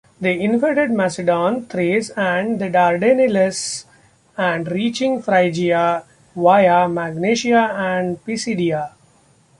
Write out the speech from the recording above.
They invaded Macedon, Thrace, and the Dardanelles, and reaching Phrygia via Magnesia and Pisidia.